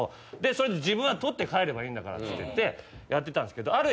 でそれで自分は取って帰ればいいんだからっつっててやってたんですけど。